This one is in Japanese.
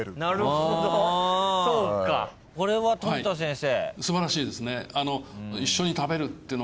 これは富田先生。